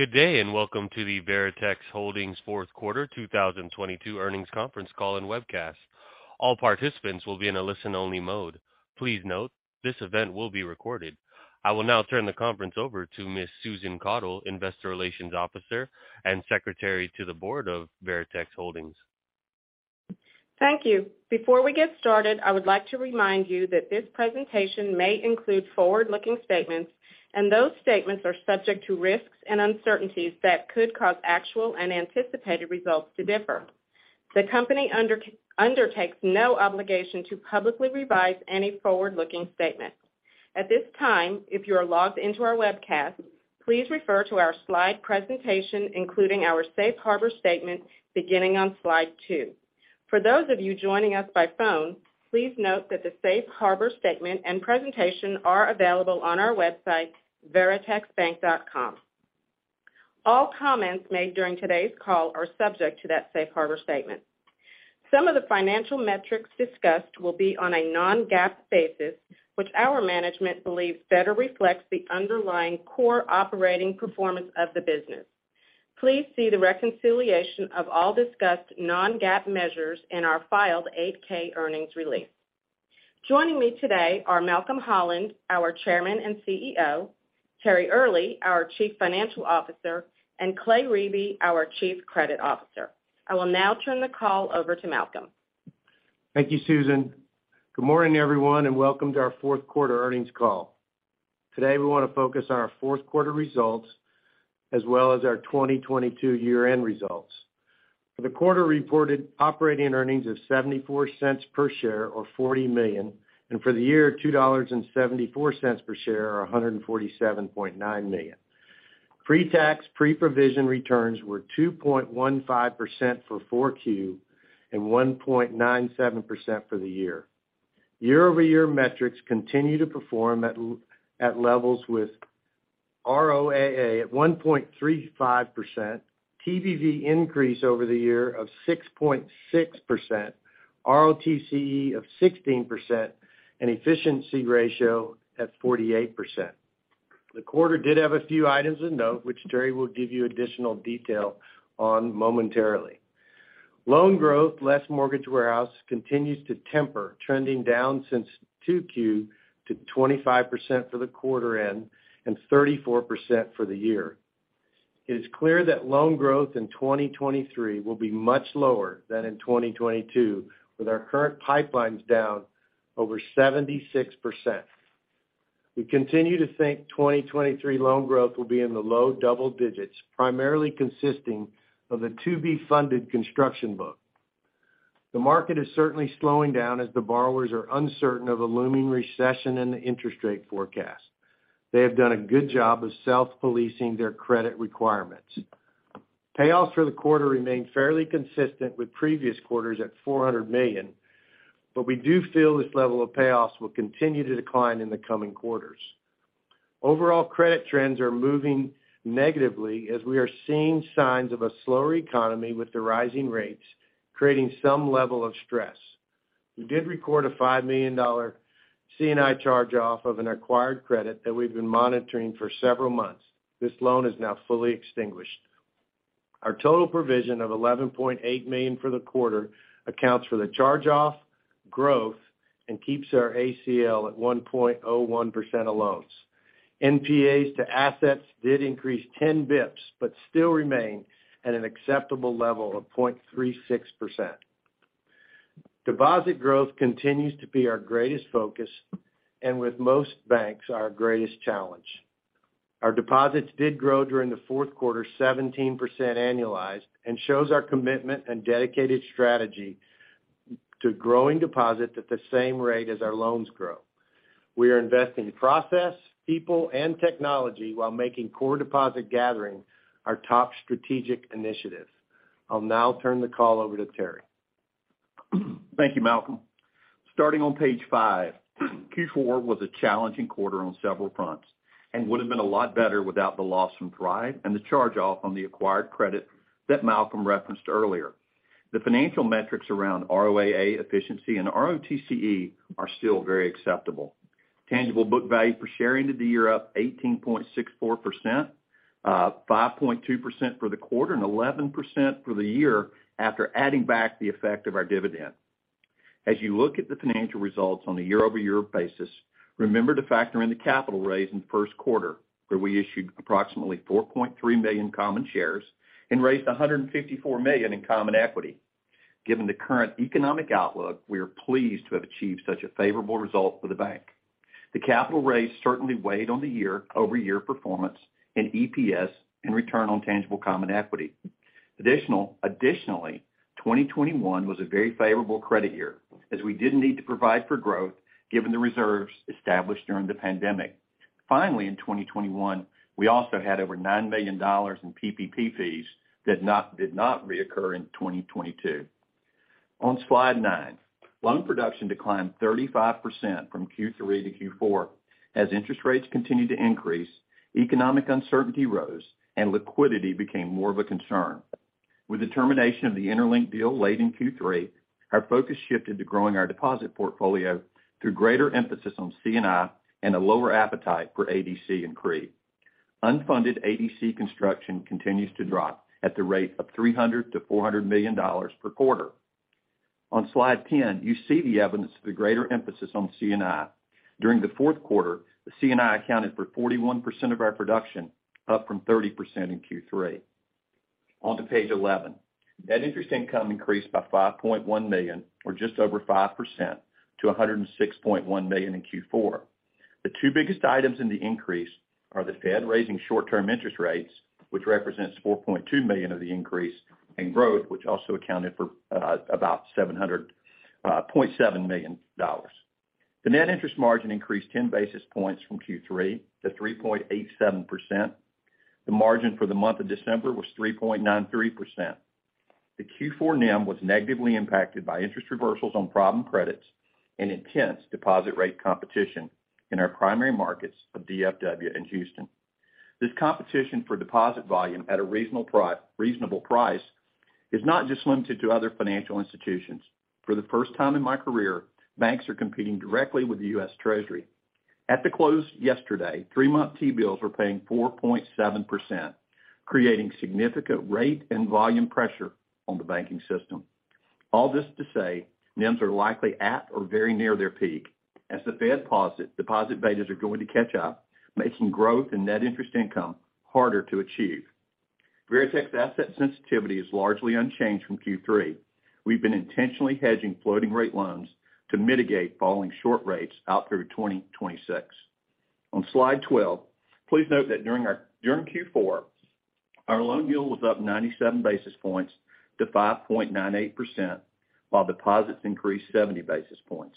Good day. Welcome to the Veritex Holdings Fourth Quarter 2022 earnings conference call and webcast. All participants will be in a listen-only mode. Please note this event will be recorded. I will now turn the conference over to Miss Susan Caudle, investor relations officer and secretary to the board of Veritex Holdings. Thank you. Before we get started, I would like to remind you that this presentation may include forward-looking statements. Those statements are subject to risks and uncertainties that could cause actual and anticipated results to differ. The company undertakes no obligation to publicly revise any forward-looking statement. At this time, if you are logged into our webcast, please refer to our slide presentation, including our safe harbor statement, beginning on slide two. For those of you joining us by phone, please note that the safe harbor statement and presentation are available on our website, veritexbank.com. All comments made during today's call are subject to that safe harbor statement. Some of the financial metrics discussed will be on a non-GAAP basis, which our management believes better reflects the underlying core operating performance of the business. Please see the reconciliation of all discussed non-GAAP measures in our filed Form 8-K earnings release. Joining me today are Malcolm Holland, our Chairman and CEO, Terry Earley, our Chief Financial Officer, and Clay Riebe, our Chief Credit Officer. I will now turn the call over to Malcolm. Thank you, Susan. Good morning, everyone, welcome to our fourth quarter earnings call. Today, we want to focus on our fourth quarter results as well as our 2022 year-end results. For the quarter reported operating earnings of $0.74 per share or $40 million, and for the year, $2.74 per share or $147.9 million. Pre-tax, pre-provision returns were 2.15% for 4Q and 1.97% for the year. Year-over-year metrics continue to perform at levels with ROAA at 1.35%, TBV increase over the year of 6.6%, ROTCE of 16%, and efficiency ratio at 48%. The quarter did have a few items of note, which Terry will give you additional detail on momentarily. Loan growth, less Mortgage Warehouse, continues to temper, trending down since 2Q to 25% for the quarter end and 34% for the year. It is clear that loan growth in 2023 will be much lower than in 2022, with our current pipelines down over 76%. We continue to think 2023 loan growth will be in the low double digits, primarily consisting of a to-be funded construction book. The market is certainly slowing down as the borrowers are uncertain of a looming recession and the interest rate forecast. They have done a good job of self-policing their credit requirements. Payoffs for the quarter remain fairly consistent with previous quarters at $400 million, but we do feel this level of payoffs will continue to decline in the coming quarters. Overall credit trends are moving negatively as we are seeing signs of a slower economy with the rising rates creating some level of stress. We did record a $5 million C&I charge off of an acquired credit that we've been monitoring for several months. This loan is now fully extinguished. Our total provision of $11.8 million for the quarter accounts for the charge off, growth, and keeps our ACL at 1.01% of loans. NPAs to assets did increase 10 basis points, but still remain at an acceptable level of 0.36%. Deposit growth continues to be our greatest focus and with most banks, our greatest challenge. Our deposits did grow during the fourth quarter, 17% annualized, and shows our commitment and dedicated strategy to growing deposit at the same rate as our loans grow. We are investing process, people and technology while making core deposit gathering our top strategic initiative. I'll now turn the call over to Terry. Thank you, Malcolm. Starting on page five, Q4 was a challenging quarter on several fronts and would have been a lot better without the loss from Thrive and the charge-off on the acquired credit that Malcolm referenced earlier. The financial metrics around ROAA efficiency and ROTCE are still very acceptable. Tangible book value per share into the year up 18.64%, 5.2% for the quarter and 11% for the year after adding back the effect of our dividend. As you look at the financial results on a year-over-year basis, remember to factor in the capital raise in the first quarter, where we issued approximately $4.3 million common shares and raised $154 million in common equity. Given the current economic outlook, we are pleased to have achieved such a favorable result for the bank. The capital raise certainly weighed on the year-over-year performance in EPS and return on tangible common equity. Additionally, 2021 was a very favorable credit year as we didn't need to provide for growth given the reserves established during the pandemic. In 2021, we also had over $9 million in PPP fees that did not reoccur in 2022. On slide nine, loan production declined 35% from Q3-Q4. Interest rates continued to increase, economic uncertainty rose and liquidity became more of a concern. With the termination of the interLINK deal late in Q3, our focus shifted to growing our deposit portfolio through greater emphasis on C&I and a lower appetite for ADC and CRE. Unfunded ADC construction continues to drop at the rate of $300 million-$400 million per quarter. On slide 10, you see the evidence of the greater emphasis on C&I. During the fourth quarter, the C&I accounted for 41% of our production, up from 30% in Q3. On to page 11. Net interest income increased by $5.1 million, or just over 5%, to $106.1 million in Q4. The two biggest items in the increase are the Fed raising short-term interest rates, which represents $4.2 million of the increase, and growth, which also accounted for about $700.7 million. The net interest margin increased 10 basis points from Q3 to 3.87%. The margin for the month of December was 3.93%. The Q4 NIM was negatively impacted by interest reversals on problem credits and intense deposit rate competition in our primary markets of DFW and Houston. This competition for deposit volume at a reasonable price is not just limited to other financial institutions. For the first time in my career, banks are competing directly with the U.S. Treasury. At the close yesterday, three-month T-bills were paying 4.7%, creating significant rate and volume pressure on the banking system. All this to say, NIMs are likely at or very near their peak. As the Fed pauses, deposit betas are going to catch up, making growth and net interest income harder to achieve. Veritex asset sensitivity is largely unchanged from Q3. We've been intentionally hedging floating rate loans to mitigate falling short rates out through 2026. On slide 12, please note that during Q4, our loan yield was up 97 basis points to 5.98%, while deposits increased 70 basis points.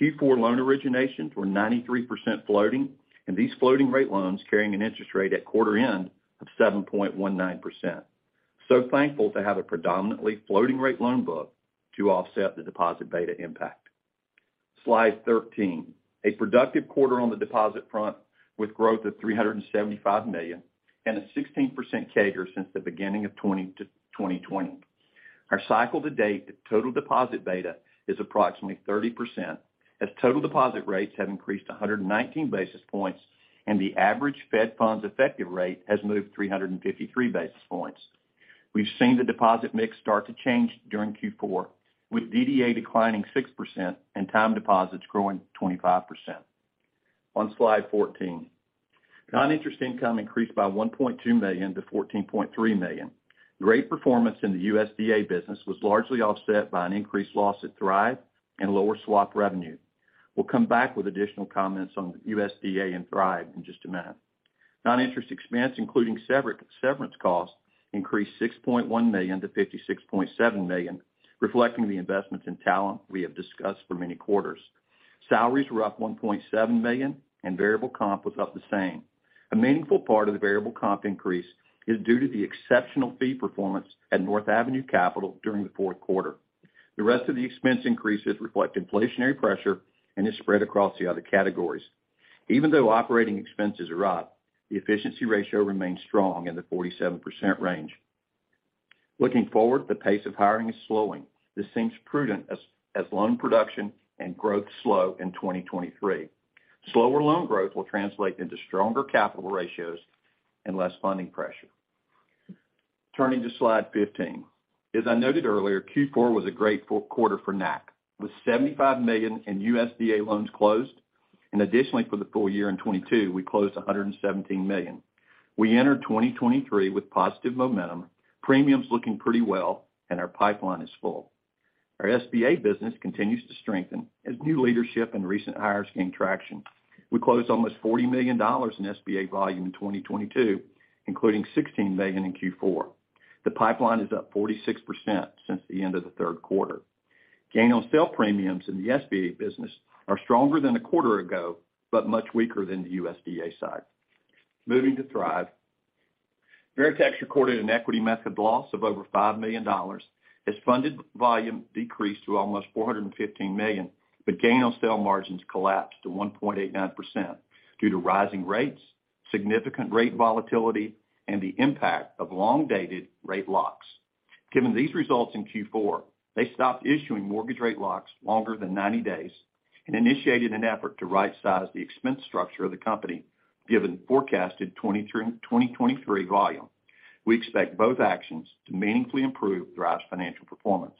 Q4 loan originations were 93% floating, these floating rate loans carrying an interest rate at quarter end of 7.19%. Thankful to have a predominantly floating rate loan book to offset the deposit beta impact. Slide 13. A productive quarter on the deposit front, with growth of $375 million and a 16% CAGR since the beginning of 2020. Our cycle to date, the total deposit beta is approximately 30%, as total deposit rates have increased 119 basis points, and the average Fed funds effective rate has moved 353 basis points. We've seen the deposit mix start to change during Q4, with DDA declining 6% and time deposits growing 25%. On slide 14, non-interest income increased by $1.2 million-$14.3 million. Great performance in the USDA business was largely offset by an increased loss at Thrive and lower swap revenue. We'll come back with additional comments on USDA and Thrive in just a minute. Non-interest expense, including severance costs, increased $6.1 million-$56.7 million, reflecting the investments in talent we have discussed for many quarters. Salaries were up $1.7 million, and variable comp was up the same. A meaningful part of the variable comp increase is due to the exceptional fee performance at North Avenue Capital during the fourth quarter. The rest of the expense increases reflect inflationary pressure and is spread across the other categories. Even though operating expenses are up, the efficiency ratio remains strong in the 47% range. Looking forward, the pace of hiring is slowing. This seems prudent as loan production and growth slow in 2023. Slower loan growth will translate into stronger capital ratios and less funding pressure. Turning to slide 15. As I noted earlier, Q4 was a great fourth quarter for NAC, with $75 million in USDA loans closed. Additionally, for the full year in 2022, we closed $117 million. We enter 2023 with positive momentum, premiums looking pretty well, and our pipeline is full. Our SBA business continues to strengthen as new leadership and recent hires gain traction. We closed almost $40 million in SBA volume in 2022, including $16 million in Q4. The pipeline is up 46% since the end of the third quarter. Gain on sale premiums in the SBA business are stronger than a quarter ago, but much weaker than the USDA side. Moving to Thrive. Veritex recorded an equity method loss of over $5 million as funded volume decreased to almost $415 million, but gain on sale margins collapsed to 1.89% due to rising rates, significant rate volatility, and the impact of long-dated rate locks. Given these results in Q4, they stopped issuing mortgage rate locks longer than 90 days and initiated an effort to rightsize the expense structure of the company, given forecasted 2023 volume. We expect both actions to meaningfully improve Thrive's financial performance.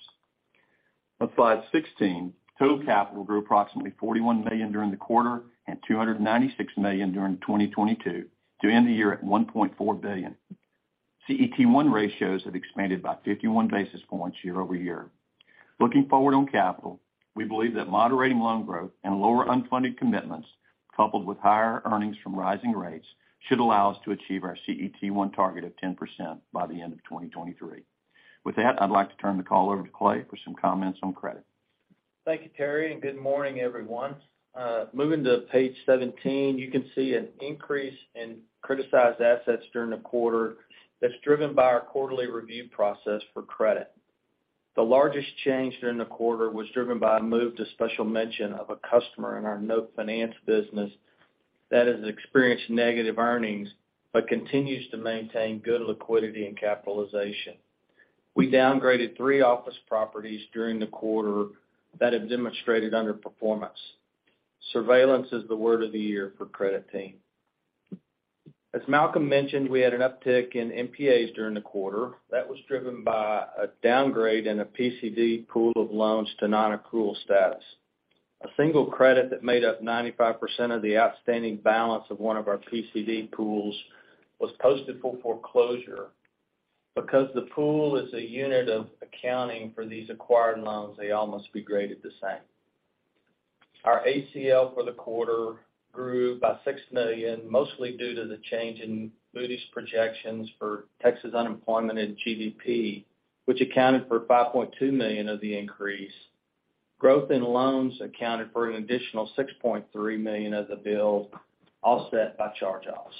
On slide 16, total capital grew approximately $41 million during the quarter and $296 million during 2022 to end the year at $1.4 billion. CET1 ratios have expanded by 51 basis points year-over-year. Looking forward on capital, we believe that moderating loan growth and lower unfunded commitments, coupled with higher earnings from rising rates, should allow us to achieve our CET1 target of 10% by the end of 2023. With that, I'd like to turn the call over to Clay for some comments on credit. Thank you, Terry. Good morning, everyone. Moving to page 17, you can see an increase in criticized assets during the quarter that's driven by our quarterly review process for credit. The largest change during the quarter was driven by a move to special mention of a customer in our note finance business that has experienced negative earnings but continues to maintain good liquidity and capitalization. We downgraded three office properties during the quarter that have demonstrated underperformance. Surveillance is the word of the year for credit team. As Malcolm mentioned, we had an uptick in NPAs during the quarter. That was driven by a downgrade in a PCD pool of loans to non-accrual status. A single credit that made up 95% of the outstanding balance of one of our PCD pools was posted for foreclosure. Because the pool is a unit of accounting for these acquired loans, they all must be graded the same. Our ACL for the quarter grew by $6 million, mostly due to the change in Moody's projections for Texas unemployment and GDP, which accounted for $5.2 million of the increase. Growth in loans accounted for an additional $6.3 million of the build, offset by charge-offs.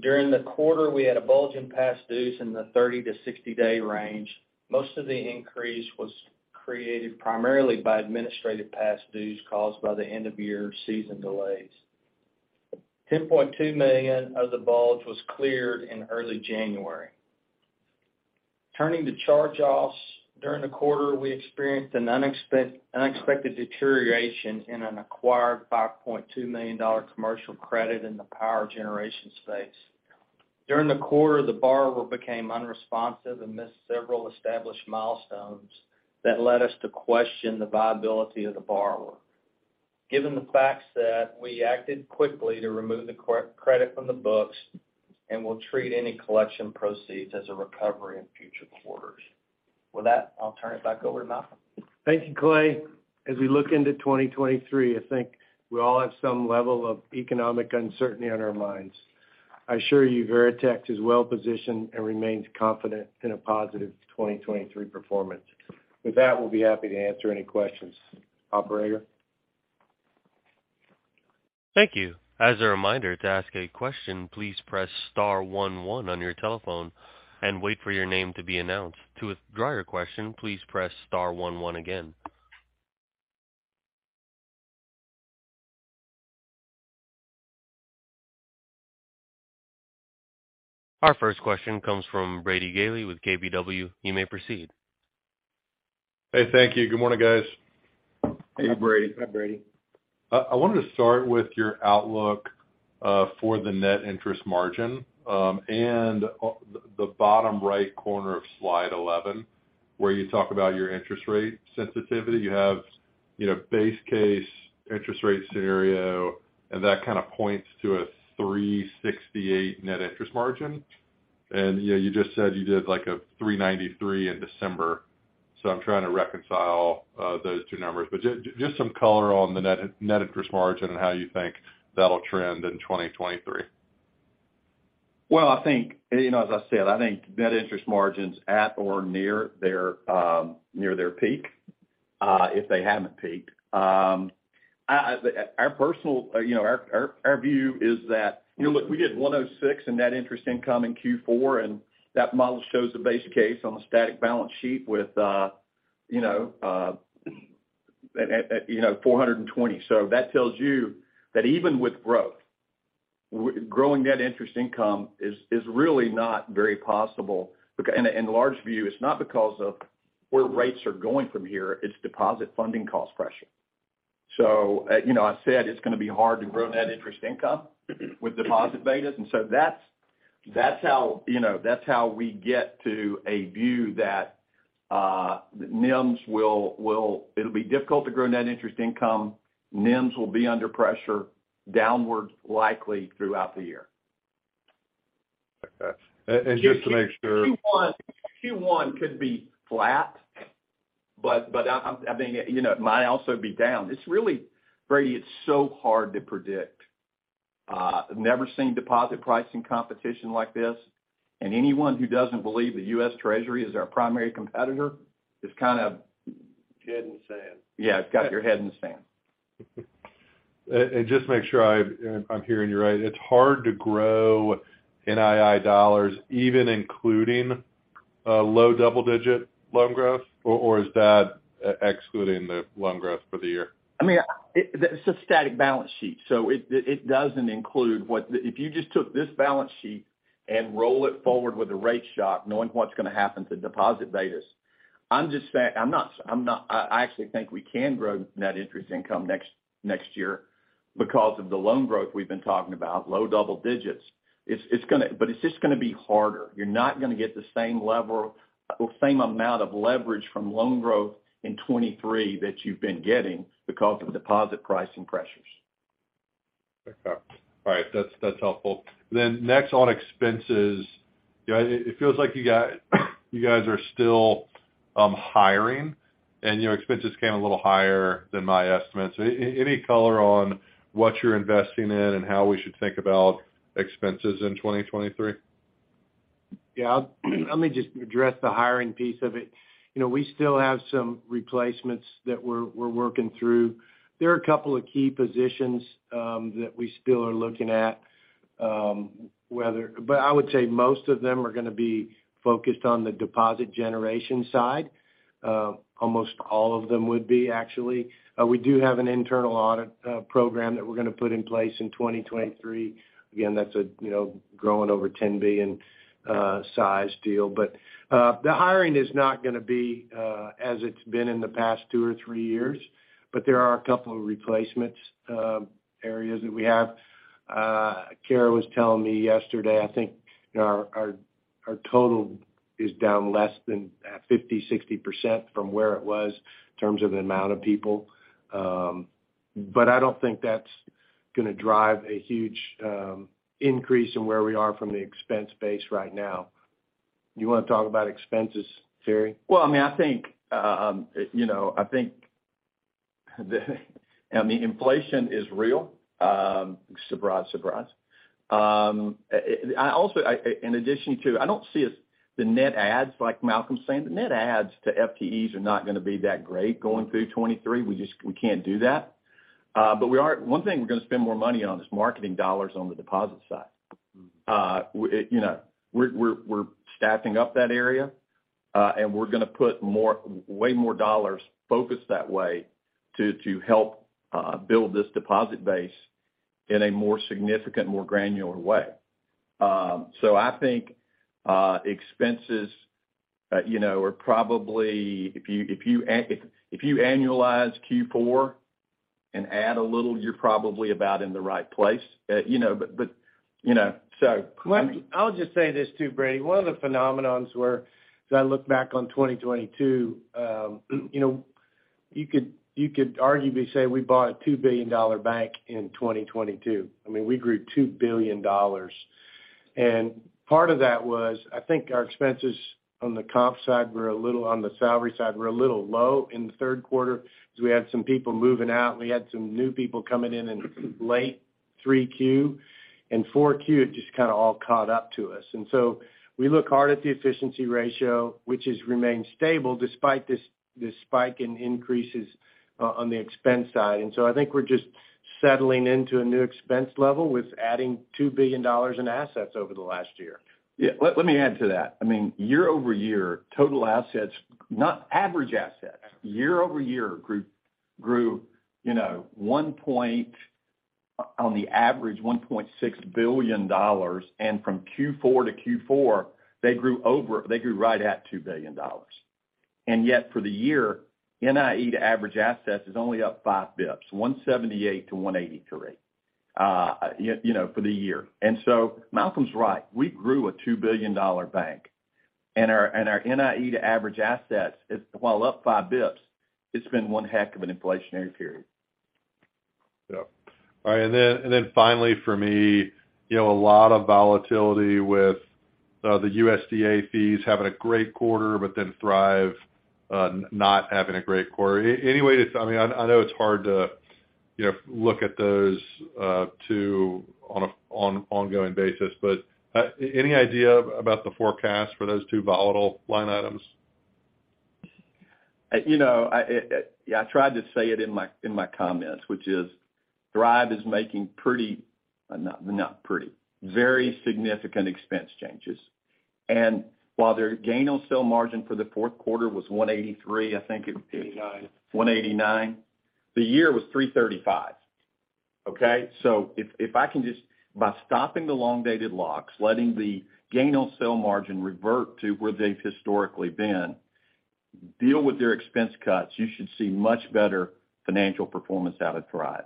During the quarter, we had a bulge in past dues in the 30-60 day range. Most of the increase was created primarily by administrative past dues caused by the end-of-year season delays. $10.2 million of the bulge was cleared in early January. Turning to charge-offs, during the quarter, we experienced an unexpected deterioration in an acquired $5.2 million commercial credit in the power generation space. During the quarter, the borrower became unresponsive and missed several established milestones that led us to question the viability of the borrower. Given the facts that we acted quickly to remove the credit from the books and will treat any collection proceeds as a recovery in future quarters. With that, I'll turn it back over to Malcolm. Thank you, Clay. As we look into 2023, I think we all have some level of economic uncertainty on our minds. I assure you, Veritex is well positioned and remains confident in a positive 2023 performance. With that, we'll be happy to answer any questions. Operator? Thank you. As a reminder, to ask a question, please press star one one on your telephone and wait for your name to be announced. To withdraw your question, please press star one one again. Our first question comes from Brady Gailey with KBW. You may proceed. Hey, thank you. Good morning, guys. Hey, Brady. Hi, Brady. I wanted to start with your outlook for the net interest margin, and the bottom right corner of slide 11, where you talk about your interest rate sensitivity. You have, you know, base case interest rate scenario, and that kind of points to a 3.68% net interest margin. You know, you just said you did, like, a 3.93% in December, so I'm trying to reconcile those two numbers. Just some color on the net interest margin and how you think that'll trend in 2023. Well, I think, you know, as I said, I think net interest margin's at or near their near their peak, if they haven't peaked. I think, our personal, you know, our view is that, you know, look, we did $106 in net interest income in Q4. That model shows the base case on a static balance sheet with, you know, at $420. That tells you that even with growth, growing net interest income is really not very possible. In large view, it's not because of where rates are going from here, it's deposit funding cost pressure. You know, I said, it's gonna be hard to grow net interest income with deposit betas. That's how, you know, that's how we get to a view that NIMs will be difficult to grow net interest income. NIMs will be under pressure downwards likely throughout the year. Okay. just to make sure- Q1 could be flat, but I think, you know, it might also be down. Brady, it's so hard to predict. I've never seen deposit pricing competition like this. Anyone who doesn't believe the U.S. Treasury is our primary competitor is kind of- Head in the sand. Yeah, got your head in the sand. Just make sure if I'm hearing you right, it's hard to grow NII dollars, even including low double-digit loan growth, or is that excluding the loan growth for the year? I mean, it's a static balance sheet, so it doesn't include what the... If you just took this balance sheet and roll it forward with a rate shock, knowing what's gonna happen to deposit betas, I'm not, I actually think we can grow net interest income next year because of the loan growth we've been talking about, low double digits. It's just gonna be harder. You're not gonna get the same level or same amount of leverage from loan growth in 2023 that you've been getting because of deposit pricing pressures. Okay. All right. That's, that's helpful. Next on expenses, you know, it feels like you guys are still hiring, and your expenses came a little higher than my estimates. Any color on what you're investing in and how we should think about expenses in 2023? Yeah. Let me just address the hiring piece of it. You know, we still have some replacements that we're working through. There are a couple of key positions that we still are looking at. I would say most of them are gonna be focused on the deposit generation side. Almost all of them would be actually. We do have an internal audit program that we're gonna put in place in 2023. Again, that's a, you know, growing over $10 billion size deal. The hiring is not gonna be as it's been in the past two or three years. There are a couple of replacements areas that we have. Cara was telling me yesterday, I think, you know, our total is down less than at 50%, 60% from where it was in terms of the amount of people. I don't think that's gonna drive a huge increase in where we are from the expense base right now. You wanna talk about expenses, Terry? I mean, I think, you know, I think I mean, inflation is real. Surprise, surprise. In addition to, I don't see us the net adds, like Malcolm's saying, the net adds to FTEs are not gonna be that great going through 2023. We can't do that. One thing we're gonna spend more money on is marketing dollars on the deposit side. We, it, you know, we're staffing up that area, and we're gonna put more, way more dollars focused that way to help build this deposit base in a more significant, more granular way. I think expenses, you know, are probably if you annualize Q4 and add a little, you're probably about in the right place. you know, but, you know. I'll just say this too, Brady. One of the phenomenons where as I look back on 2022, you know, you could arguably say we bought a $2 billion bank in 2022. I mean, we grew $2 billion. Part of that was, I think our expenses on the comp side were a little on the salary side, were a little low in the third quarter because we had some people moving out, and we had some new people coming in late 3Q. In 4Q, it just kinda all caught up to us. We look hard at the efficiency ratio, which has remained stable despite this spike in increases on the expense side. I think we're just settling into a new expense level with adding $2 billion in assets over the last year. Yeah. Let me add to that. I mean, year-over-year, total assets, not average assets, year-over-year grew, you know, on the average, $1.6 billion. From Q4-Q4, they grew right at $2 billion. Yet for the year, NIE to average assets is only up 5 basis points, 1.78%-1.83%, you know, for the year. Malcolm's right. We grew a $2 billion bank, and our, and our NIE to average assets is, while up 5 basis points, it's been one heck of an inflationary period. Yeah. All right. Finally for me, you know, a lot of volatility with the USDA fees having a great quarter, but then Thrive not having a great quarter. I mean, I know it's hard to, you know, look at those two on an ongoing basis. Any idea about the forecast for those two volatile line items? You know, I, yeah, I tried to say it in my, in my comments, which is Thrive is making pretty, not pretty, very significant expense changes. While their gain on sale margin for the fourth quarter was 1.83%, I think it. 1.89%. 1.89%. The year was 3.35%. Okay? If, if I can just, by stopping the long-dated locks, letting the gain on sale margin revert to where they've historically been, deal with their expense cuts, you should see much better financial performance out of Thrive.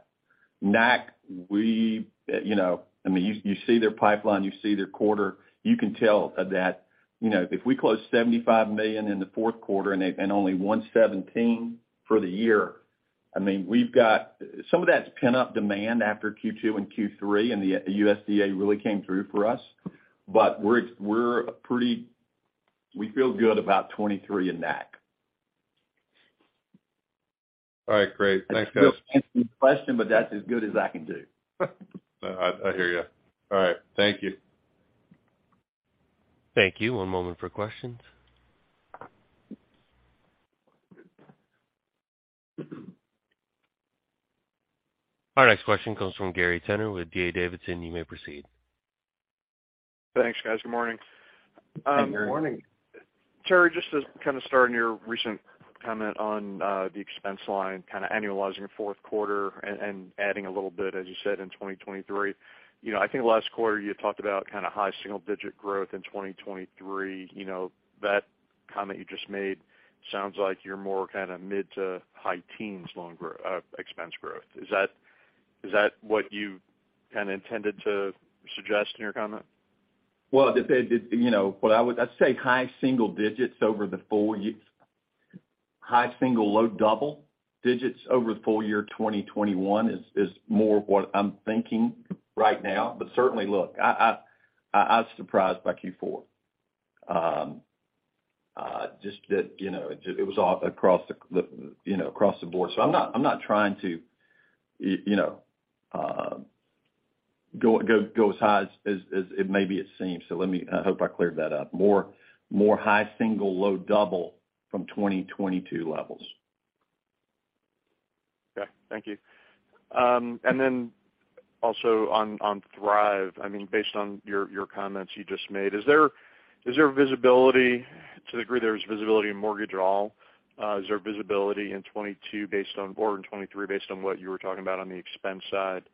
NAC, we, you know, I mean, you see their pipeline, you see their quarter, you can tell that, you know, if we close $75 million in the fourth quarter and only $117 million for the year, I mean, we've got... Some of that's pent-up demand after Q2 and Q3, and the USDA really came through for us. We're, we're pretty-- we feel good about 2023 in NAC. All right, great. Thanks, guys. I'm still answering the question, but that's as good as I can do. I hear you. All right. Thank you. Thank you. One moment for questions. Our next question comes from Gary Tenner with D.A. Davidson. You may proceed. Thanks, guys. Good morning. Good morning. Morning. Terry, just to kind of start on your recent comment on, the expense line, kind of annualizing your fourth quarter and adding a little bit, as you said, in 2023. You know, I think last quarter you had talked about kind of high single-digit growth in 2023. You know, that comment you just made sounds like you're more kind of mid-to-high teens expense growth. Is that what you kind of intended to suggest in your comment? Well, you know, what I would say high single digits over the full high single, low double digits over the full year 2021 is more what I'm thinking right now. Certainly, look, I was surprised by Q4. Just that, you know, it was all across the board. I'm not, I'm not trying to, you know, go as high as it maybe it seems. Let me. I hope I cleared that up. More high single, low double from 2022 levels. Okay. Thank you. Also on Thrive, I mean, based on your comments you just made, is there visibility to the degree there's visibility in mortgage at all? Is there visibility in 2022 based on board and 2023 based on what you were talking about on the expense side,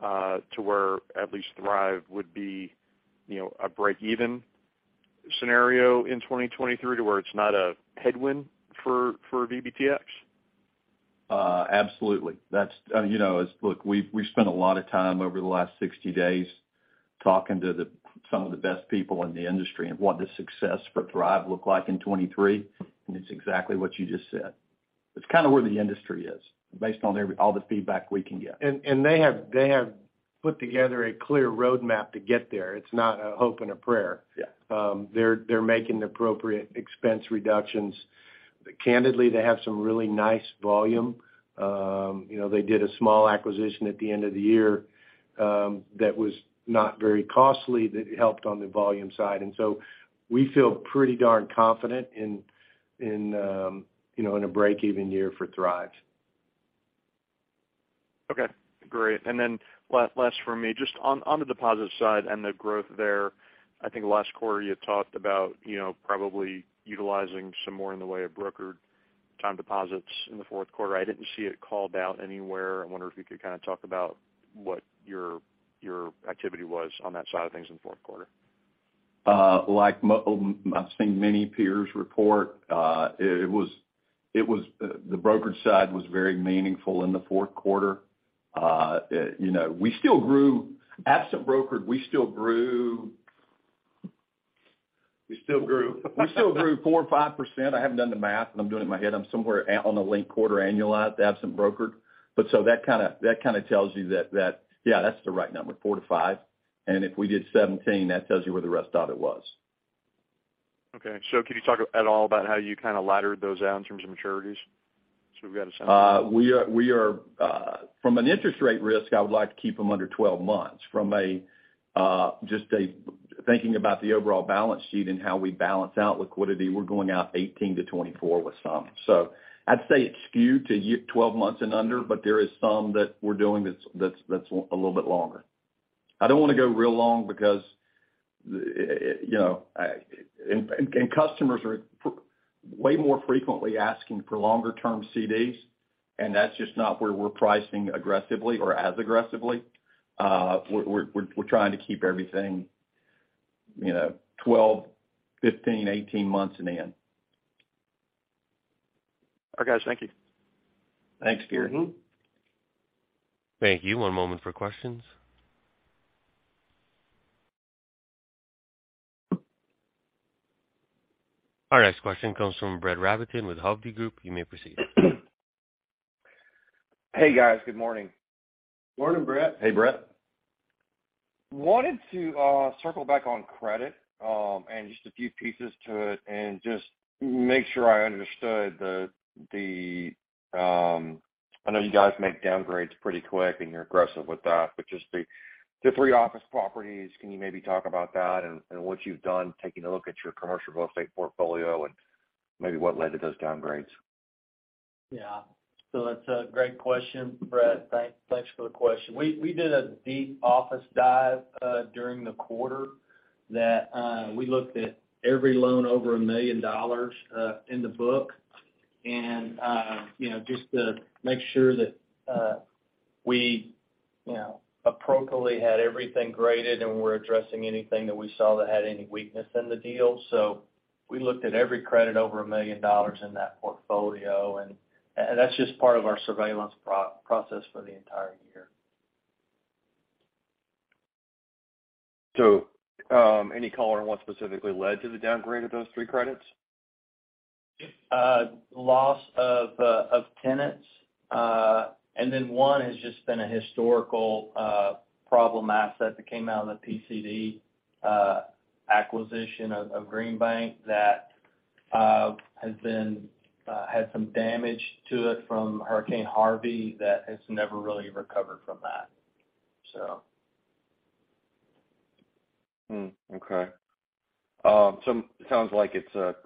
to where at least Thrive would be, you know, a break-even scenario in 2023 to where it's not a headwind for VBTX? Absolutely. That's, you know, look, we've spent a lot of time over the last 60 days talking to some of the best people in the industry on what the success for Thrive look like in 2023, and it's exactly what you just said. It's kind of where the industry is based on all the feedback we can get. They have put together a clear roadmap to get there. It's not a hope and a prayer. Yeah. They're making the appropriate expense reductions. Candidly, they have some really nice volume. You know, they did a small acquisition at the end of the year, that was not very costly, that helped on the volume side. We feel pretty darn confident in, you know, in a break-even year for Thrive. Okay, great. Last for me, just on the deposit side and the growth there, I think last quarter you had talked about, you know, probably utilizing some more in the way of brokered time deposits in the fourth quarter. I didn't see it called out anywhere. I wonder if you could kind of talk about what your activity was on that side of things in the fourth quarter. like I've seen many peers report, it was, the brokerage side was very meaningful in the fourth quarter. you know, we still grew. Absent brokered, we still grew... We still grew. We still grew 4% or 5%. I haven't done the math, and I'm doing it in my head. I'm somewhere on the linked quarter annualized, absent brokered. That kinda tells you that, yeah, that's the right number, 4%-5%. If we did 17%, that tells you where the rest of it was. Okay. Can you talk at all about how you kind of laddered those out in terms of maturities? We've got a sense. We are from an interest rate risk, I would like to keep them under 12 months. From a thinking about the overall balance sheet and how we balance out liquidity, we're going out 18-24 with some. I'd say it's skewed to 12 months and under, but there is some that we're doing that's a little bit longer. I don't want to go real long because, you know, and customers are way more frequently asking for longer-term CDs, and that's just not where we're pricing aggressively or as aggressively. We're trying to keep everything, you know, 12, 15, 18 months and in. Okay. Thank you. Thanks, Peter. Mm-hmm. Thank you. One moment for questions. Our next question comes from Brett Rabatin with Hovde Group. You may proceed. Hey, guys. Good morning. Morning, Brett. Hey, Brett. Wanted to circle back on credit, and just a few pieces to it and just make sure I understood, I know you guys make downgrades pretty quick, and you're aggressive with that, but just the three office properties, can you maybe talk about that and what you've done, taking a look at your commercial real estate portfolio and maybe what led to those downgrades? Yeah. That's a great question, Brett. Thanks for the question. We did a deep office dive, during the quarter that we looked at every loan over $1 million in the book. you know, just to make sure that we, you know, appropriately had everything graded and we're addressing anything that we saw that had any weakness in the deal. We looked at every credit over $1 million in that portfolio, and that's just part of our surveillance pro-process for the entire year. Any color on what specifically led to the downgrade of those three credits? Loss of tenants. One has just been a historical problem asset that came out in the PCD acquisition of Green Bank that has been had some damage to it from Hurricane Harvey that has never really recovered from that. Okay. It sounds like it's a,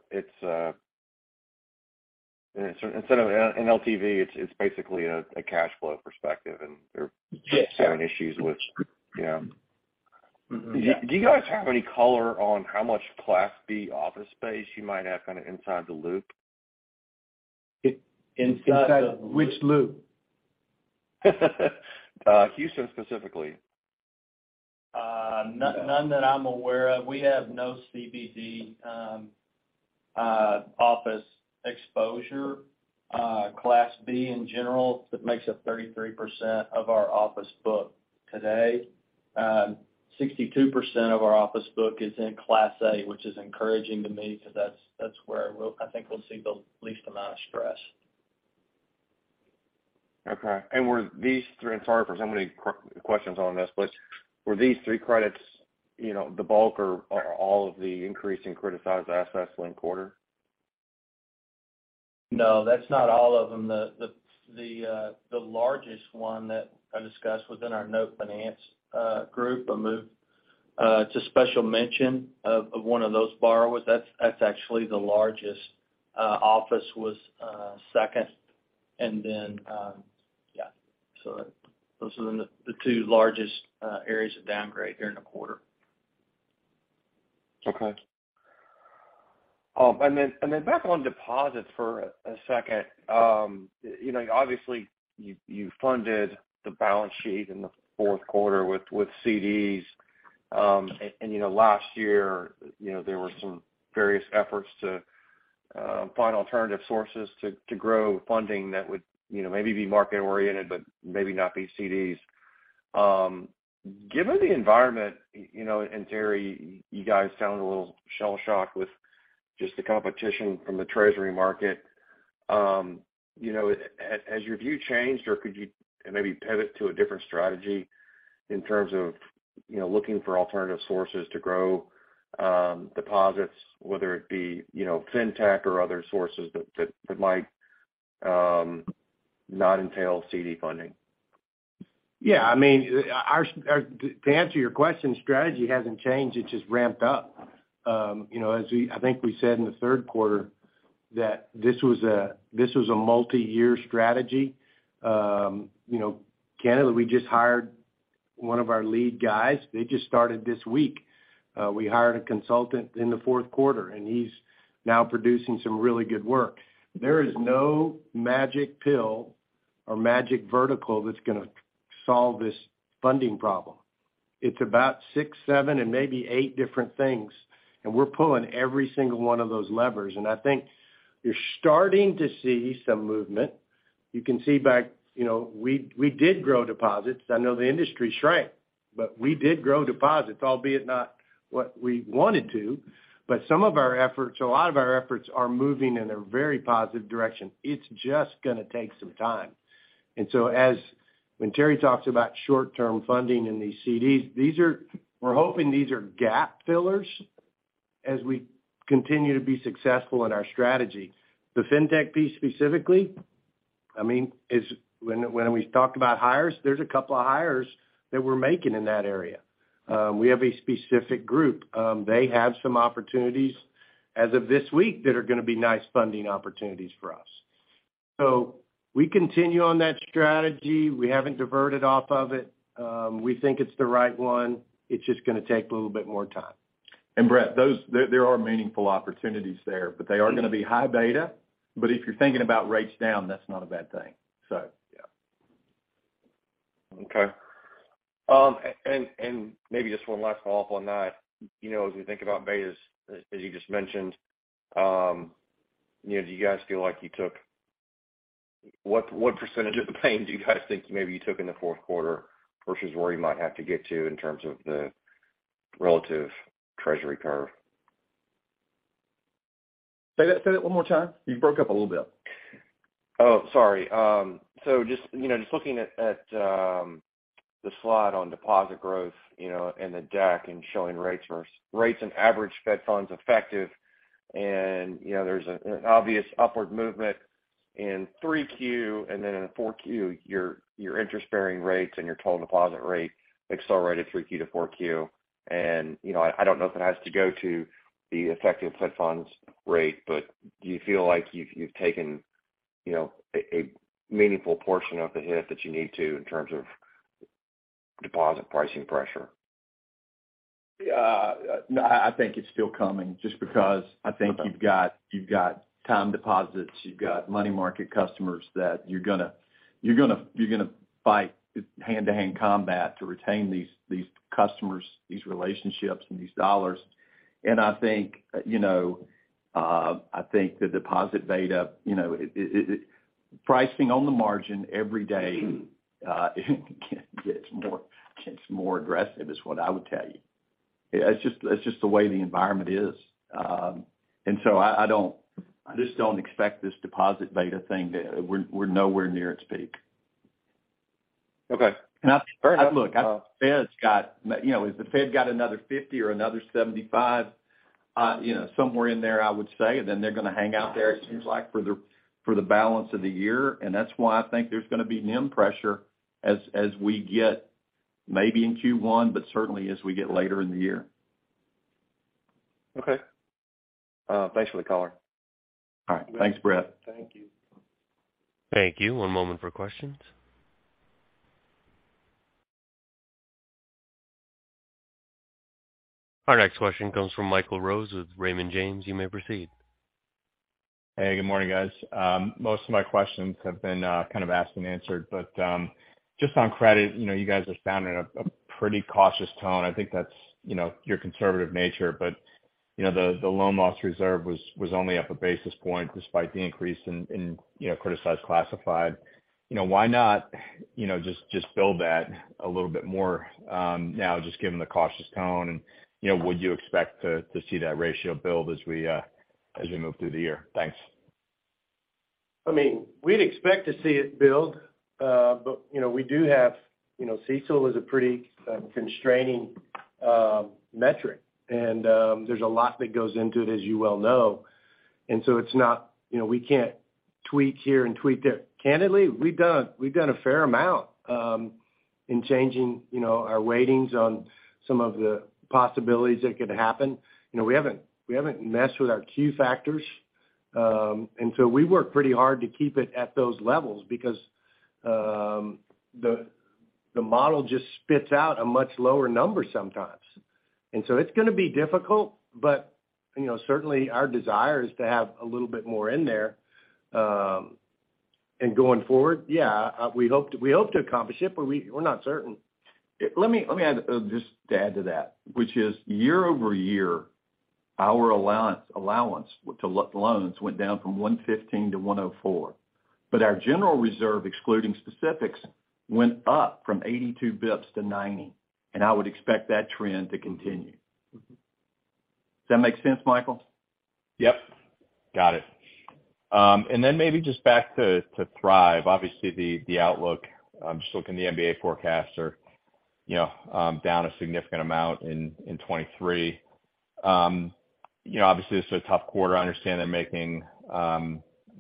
it's a, instead of an LTV, it's basically a cash flow perspective, and they're- Yes. having issues with... Yeah. Mm-hmm. Yeah. Do you guys have any color on how much Class B office space you might have kind of inside the loop? Inside of which loop? Houston specifically. None that I'm aware of. We have no CBD, office exposure. Class B in general, that makes up 33% of our office book today. 62% of our office book is in Class A, which is encouraging to me because that's where I think we'll see the least amount of stress. Okay. Were these three-- I'm sorry for so many questions on this, but were these three credits, you know, the bulk or all of the increase in criticized assets linked quarter? No, that's not all of them. The largest one that I discussed was in our note finance group, a move to special mention of one of those borrowers. That's actually the largest office was second. Those are the two largest areas of downgrade during the quarter. Okay. Back on deposits for a second. You know, obviously, you funded the balance sheet in the fourth quarter with CDs. You know, last year, you know, there were some various efforts to find alternative sources to grow funding that would, you know, maybe be market-oriented, but maybe not be CDs. Given the environment, you know, and Terry, you guys sound a little shell-shocked with just the competition from the Treasury market, you know, has your view changed, or could you maybe pivot to a different strategy in terms of, you know, looking for alternative sources to grow deposits, whether it be, you know, fintech or other sources that might not entail CD funding? Yeah, I mean, our To answer your question, strategy hasn't changed. It just ramped up. You know, I think we said in the third quarter that this was a multi-year strategy. You know, Canada, we just hired one of our lead guys. They just started this week. We hired a consultant in the fourth quarter, he's now producing some really good work. There is no magic pill or magic vertical that's gonna solve this funding problem. It's about six, seven, and maybe eight different things, we're pulling every single one of those levers. I think you're starting to see some movement. You can see back, you know, we did grow deposits. I know the industry shrank, we did grow deposits, albeit not what we wanted to. Some of our efforts, a lot of our efforts are moving in a very positive direction. It's just gonna take some time. As when Terry talks about short-term funding in these CDs, these are we're hoping these are gap fillers as we continue to be successful in our strategy. The fintech piece specifically, I mean, is when we talked about hires, there's a couple of hires that we're making in that area. We have a specific group. They have some opportunities as of this week that are gonna be nice funding opportunities for us. We continue on that strategy. We haven't diverted off of it. We think it's the right one. It's just gonna take a little bit more time. Brett, there are meaningful opportunities there, but they are gonna be high beta. If you're thinking about rates down, that's not a bad thing. Yeah. Okay. Maybe just one last follow-up on that. You know, as we think about betas, as you just mentioned, you know, do you guys feel like you took, What percentage of the pain do you guys think maybe you took in the fourth quarter versus where you might have to get to in terms of the relative Treasury curve? Say that one more time. You broke up a little bit. Oh, sorry. so just, you know, just looking at, the slide on deposit growth, you know, and the deck and showing rates versus rates and average Fed funds effective. You know, there's an obvious upward movement in 3Q, and then in 4Q, your interest-bearing rates and your total deposit rate accelerated 3Q-4Q. You know, I don't know if it has to go to the effective Fed funds rate, but do you feel like you've taken, you know, a meaningful portion of the hit that you need to in terms of deposit pricing pressure? Yeah. No, I think it's still coming just because I think you've got time deposits, you've got money market customers that you're gonna fight hand-to-hand combat to retain these customers, these relationships and these dollars. I think, you know, I think the deposit beta, you know, Pricing on the margin every day gets more aggressive, is what I would tell you. It's just the way the environment is. I don't expect this deposit beta thing. We're nowhere near its peak. Okay. I, look, the Fed's got, you know, if the Fed got another 50 or another 75, you know, somewhere in there, I would say, they're gonna hang out there, it seems like, for the balance of the year. That's why I think there's gonna be NIM pressure as we get maybe in Q1, but certainly as we get later in the year. Okay. Thanks for the color. All right. Thanks, Brett. Thank you. Thank you. One moment for questions. Our next question comes from Michael Rose with Raymond James. You may proceed. Hey, good morning, guys. Most of my questions have been kind of asked and answered. Just on credit, you know, you guys are sounding a pretty cautious tone. I think that's, you know, your conservative nature. You know, the loan loss reserve was only up 1 basis point despite the increase in, you know, criticized classified. You know, why not, you know, just build that a little bit more now just given the cautious tone? You know, would you expect to see that ratio build as you move through the year. Thanks. I mean, we'd expect to see it build, but, you know, we do have, you know, CECL is a pretty constraining metric, and there's a lot that goes into it, as you well know. It's not. You know, we can't tweak here and tweak there. Candidly, we've done a fair amount in changing, you know, our weightings on some of the possibilities that could happen. You know, we haven't messed with our Q factors. We work pretty hard to keep it at those levels because the model just spits out a much lower number sometimes. It's gonna be difficult, but, you know, certainly our desire is to have a little bit more in there. going forward, yeah, we hope to accomplish it, but we're not certain. Let me add, just to add to that, which is year-over-year, our allowance to loans went down from$ 115-$104. Our general reserve, excluding specifics, went up from 82 basis points-90 basis points, and I would expect that trend to continue. Does that make sense, Michael? Yep, got it. Maybe just back to Thrive. Obviously, the outlook, I'm just looking at the MBA forecasts are, you know, down a significant amount in 2023. You know, obviously, this is a tough quarter. I understand they're making,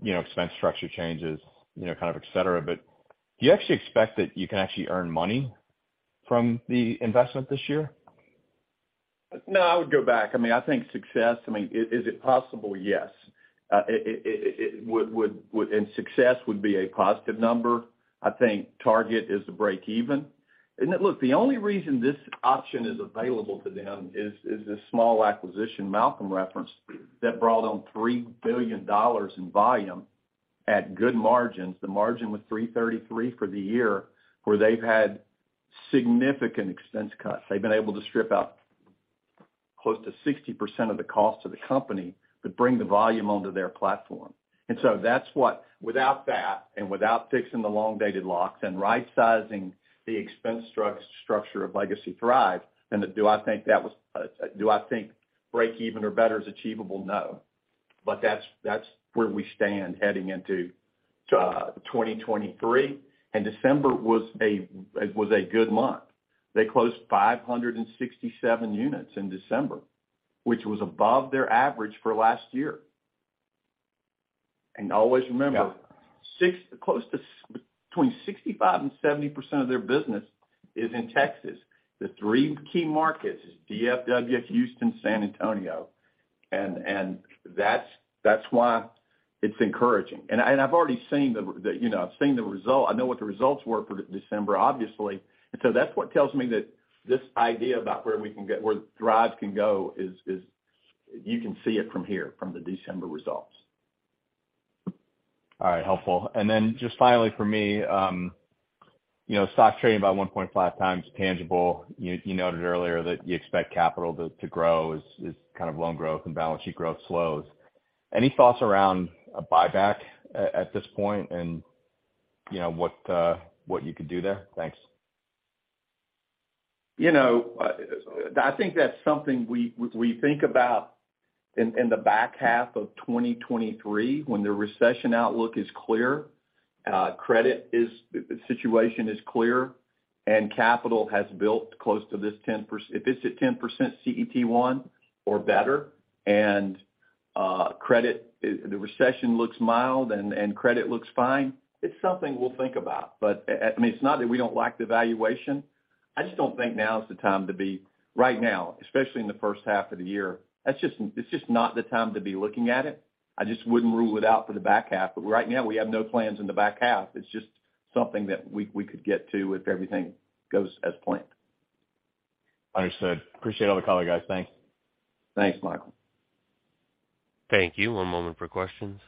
you know, expense structure changes, you know, kind of et cetera. Do you actually expect that you can actually earn money from the investment this year? No, I would go back. I mean, I think success, I mean, is it possible? Yes. It would... Success would be a positive number. I think target is to break even. Look, the only reason this option is available to them is the small acquisition Malcolm referenced that brought on $3 billion in volume at good margins. The margin was 3.33% for the year, where they've had significant expense cuts. They've been able to strip out close to 60% of the cost of the company that bring the volume onto their platform. That's what, without that, and without fixing the long-dated locks and rightsizing the expense structure of legacy Thrive, do I think break even or better is achievable? No. That's where we stand heading into 2023. December, it was a good month. They closed 567 units in December, which was above their average for last year. Always remember close to between 65% and 70% of their business is in Texas. The three key markets is DFW, Houston, San Antonio, and that's why it's encouraging. I've already seen the, you know, I've seen the result. I know what the results were for December, obviously. That's what tells me that this idea about where we can get, where Thrive can go is you can see it from here, from the December results. All right, helpful. Just finally for me, you know, stock trading about 1.5x tangible. You noted earlier that you expect capital to grow as kind of loan growth and balance sheet growth slows. Any thoughts around a buyback at this point and, you know, what you could do there? Thanks. You know, I think that's something we think about in the back half of 2023 when the recession outlook is clear, situation is clear, and capital has built close to this if it's at 10% CET1 or better and credit, the recession looks mild and credit looks fine, it's something we'll think about. I mean, it's not that we don't like the valuation. I just don't think now is the time to be, right now, especially in the first half of the year, that's just, it's just not the time to be looking at it. I just wouldn't rule it out for the back half. Right now, we have no plans in the back half. It's just something that we could get to if everything goes as planned. Understood. Appreciate all the color, guys. Thanks. Thanks, Michael. Thank you. One moment for questions.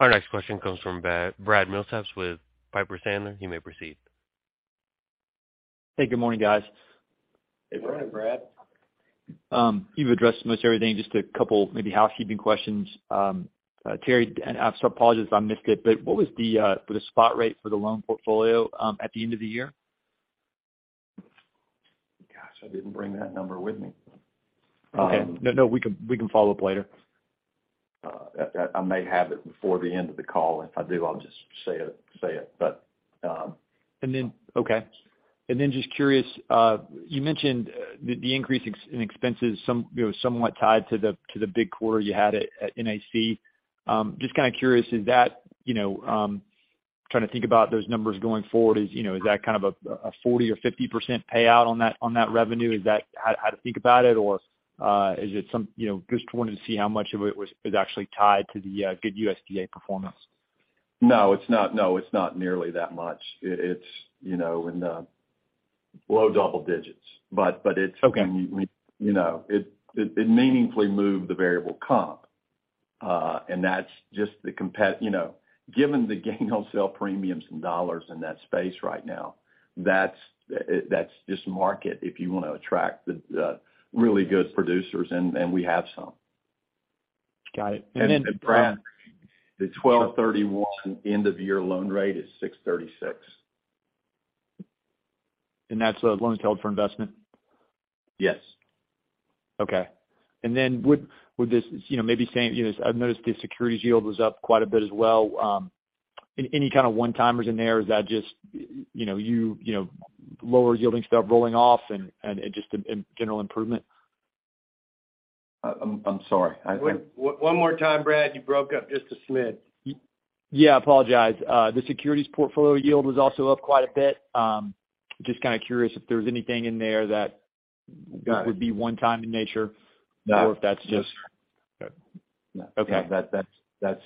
Our next question comes from Brad Milsaps with Piper Sandler. You may proceed. Hey, good morning, guys. Hey, Brad. Morning, Brad. You've addressed most everything. Just a couple maybe housekeeping questions. Terry, I apologize if I missed it, but what was the spot rate for the loan portfolio at the end of the year? Gosh, I didn't bring that number with me. Okay. No, no, we can follow up later. I may have it before the end of the call. If I do, I'll just say it. Okay. Just curious, you mentioned the increase in expenses some, you know, somewhat tied to the big quarter you had at NAC. Just kind of curious, is that, you know, trying to think about those numbers going forward, is, you know, is that kind of a 40% or 50% payout on that revenue? Is that how to think about it? Or is it some, you know, just wanted to see how much of it was actually tied to the good USDA performance? No, it's not. No, it's not nearly that much. It's, you know, in the low double digits. Okay... you know, it meaningfully moved the variable comp. That's just you know, given the gain on sale premiums and dollars in that space right now, that's just market if you wanna attract the really good producers, and we have some. Got it. Brad. The 12/31 end of year loan rate is 6.36%. That's a loan held for investment? Yes. Okay. Would this, you know, maybe saying, you know, I've noticed the securities yield was up quite a bit as well. Any kind of one-timers in there? Is that just, you know, you know, lower yielding stuff rolling off and just a general improvement? I'm sorry. One more time, Brad. You broke up just a smid. Yeah, apologize. The securities portfolio yield was also up quite a bit. Just kind of curious if there was anything in there. Got it.... would be one time in nature. No. If that's just... No. Okay. That's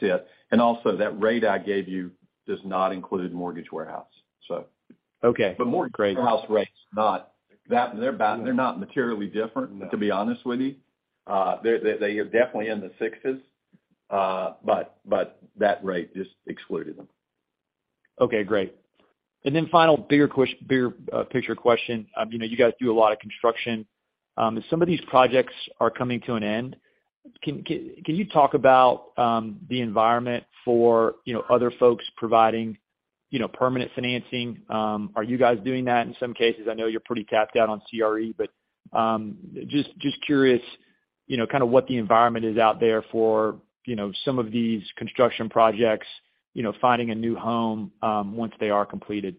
it. Also that rate I gave you does not include Mortgage Warehouse, so. Okay. Great. Mortgage Warehouse rates they're not materially different, to be honest with you. They are definitely in the sixes. That rate just excluded them. Okay, great. Then final bigger picture question. You know, you guys do a lot of construction. Some of these projects are coming to an end. Can you talk about the environment for, you know, other folks providing, you know, permanent financing? Are you guys doing that in some cases? I know you're pretty capped out on CRE, but just curious, you know, kind of what the environment is out there for, you know, some of these construction projects, you know, finding a new home once they are completed.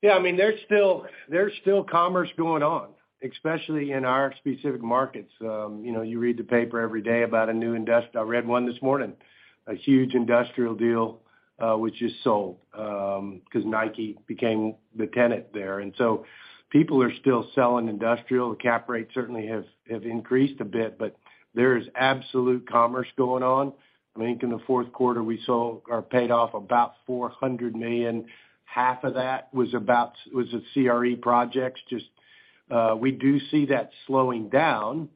Yeah, I mean, there's still commerce going on, especially in our specific markets. you know, you read the paper every day about a new I read one this morning, a huge industrial deal, which just sold, 'cause Nike became the tenant there. People are still selling industrial. The cap rates certainly have increased a bit, but there is absolute commerce going on. I think in the fourth quarter, we sold or paid off about $400 million. Half of that was the CRE projects. Just, we do see that slowing down.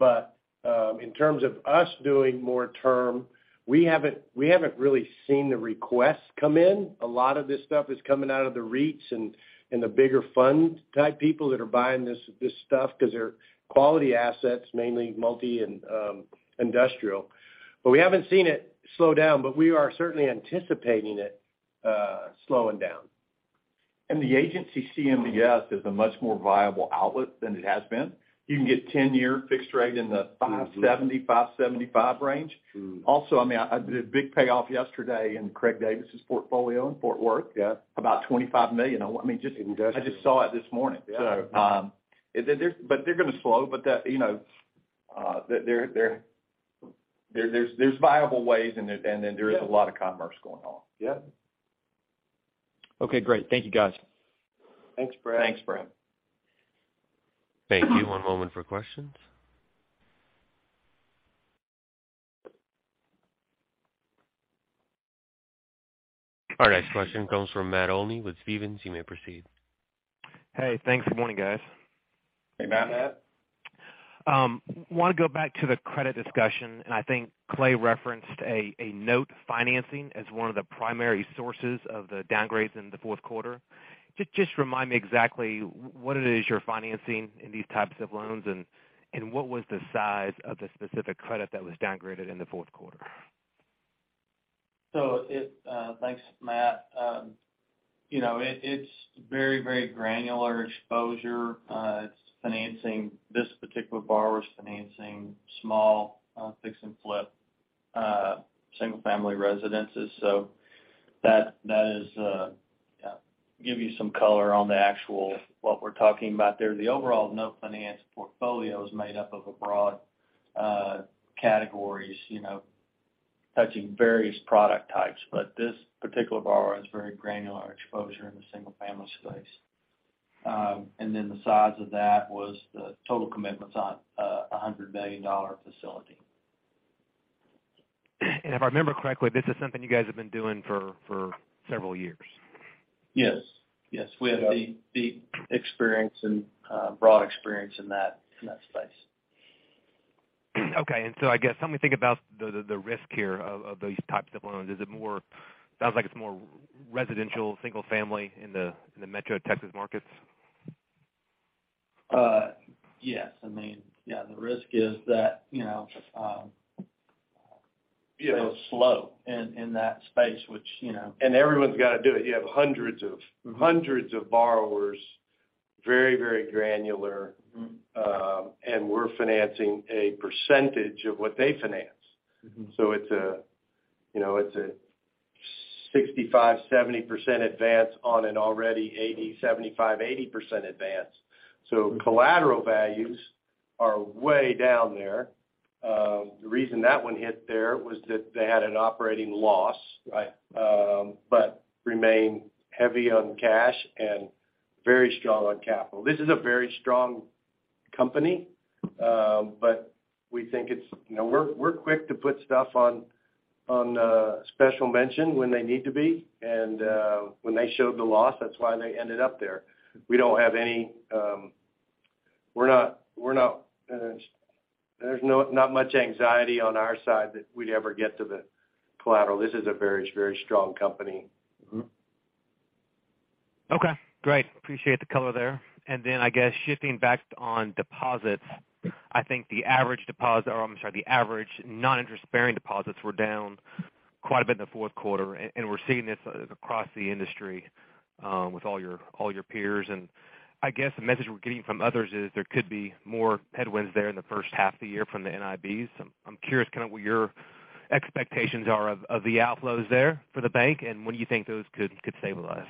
In terms of us doing more term, we haven't really seen the requests come in. A lot of this stuff is coming out of the REITs and the bigger fund type people that are buying this stuff 'cause they're quality assets, mainly multi and industrial. We haven't seen it slow down, but we are certainly anticipating it slowing down. The agency CMBS is a much more viable outlet than it has been. You can get 10-year fixed rate in the 5.70%-5.75% range. Also, I mean, a big payoff yesterday in Craig Davis' portfolio in Fort Worth. Yeah. About $25 million. I mean. Industrial. I just saw it this morning. Yeah. They're gonna slow. you know, there's viable ways, and then there is a lot of commerce going on. Yeah. Okay, great. Thank you, guys. Thanks, Brad. Thanks, Brad. Thank you. One moment for questions. Our next question comes from Matt Olney with Stephens. You may proceed. Hey, thanks. Good morning, guys. Hey, Matt. want to go back to the credit discussion, and I think Clay referenced a note financing as one of the primary sources of the downgrades in the fourth quarter. Just remind me exactly what it is you're financing in these types of loans and what was the size of the specific credit that was downgraded in the fourth quarter. It, thanks, Matt. You know, it's very, very granular exposure. It's financing This particular borrower is financing small, fix and flip, single-family residences. That, that is, give you some color on the actual, what we're talking about there. The overall note finance portfolio is made up of a broad categories, you know, touching various product types. This particular borrower has very granular exposure in the single-family space. The size of that was the total commitments on a $100 million facility. If I remember correctly, this is something you guys have been doing for several years. Yes. Yes. We have deep experience and broad experience in that space. Okay. I guess help me think about the risk here of these types of loans. Sounds like it's more residential, single family in the, in the Metro Texas markets. Yes. I mean, yeah, the risk is that, you know, you know, slow in that space, which, you know... Everyone's gotta do it. You have hundreds of. Mm-hmm hundreds of borrowers, very, very granular. Mm-hmm. We're financing a percentage of what they finance. Mm-hmm. It's a, you know, it's a 65%-70% advance on an already 75%-80% advance. Collateral values are way down there. The reason that one hit there was that they had an operating loss. Right. Remain heavy on cash and very strong on capital. This is a very strong company. We think it's, you know, we're quick to put stuff on special mention when they need to be. When they showed the loss, that's why they ended up there. We don't have any. There's no, not much anxiety on our side that we'd ever get to the collateral. This is a very strong company. Okay, great. Appreciate the color there. Then I guess shifting back on deposits. I'm sorry, the average non-interest-bearing deposits were down quite a bit in the fourth quarter, and we're seeing this across the industry with all your peers. I guess the message we're getting from others is there could be more headwinds there in the first half of the year from the NIBs. I'm curious kind of what your expectations are of the outflows there for the bank and when do you think those could stabilize?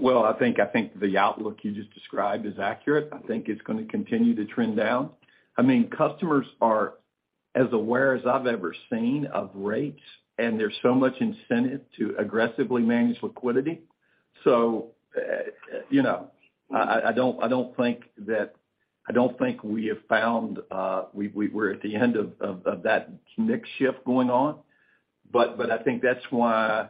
Well, I think the outlook you just described is accurate. I think it's gonna continue to trend down. I mean, customers are as aware as I've ever seen of rates, and there's so much incentive to aggressively manage liquidity. You know, I don't think we have found we were at the end of that mix shift going on. I think that's why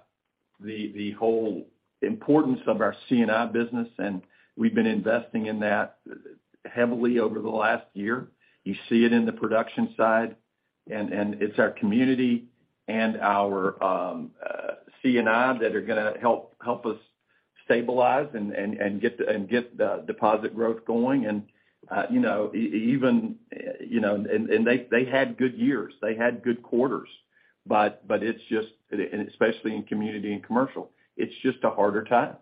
the whole importance of our C&I business, and we've been investing in that heavily over the last year. You see it in the production side, and it's our community and our C&I that are gonna help us stabilize and get the deposit growth going. You know, even, you know, and they had good years. They had good quarters. Especially in community and commercial, it's just a harder time.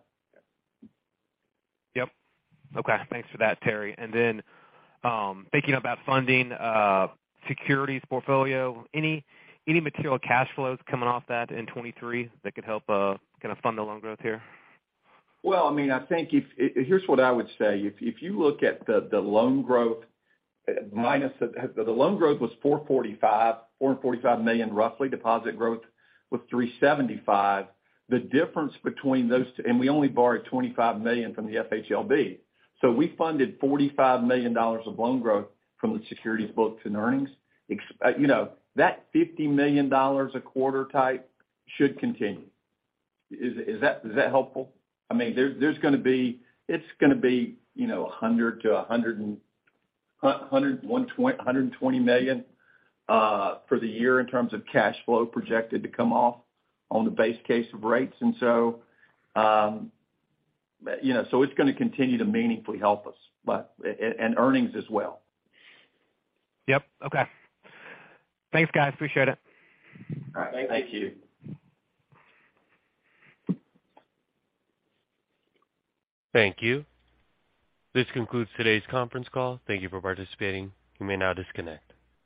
Yep. Okay. Thanks for that, Terry. Thinking about funding, securities portfolio, any material cash flows coming off that in 2023 that could help kind of fund the loan growth here? Well, I mean, I think if here's what I would say. If you look at the loan growth minus the loan growth was $445 million, roughly. Deposit growth was $375 million. The difference between those two. We only borrowed $25 million from the FHLB. We funded $45 million of loan growth from the securities books and earnings. You know, that $50 million a quarter type should continue. Is that helpful? I mean, there's gonna be, you know, $100 million-$120 million for the year in terms of cash flow projected to come off on the base case of rates. You know, it's gonna continue to meaningfully help us, but and earnings as well. Yep. Okay. Thanks, guys. Appreciate it. All right. Thank you. Thank you. This concludes today's conference call. Thank you for participating. You may now disconnect.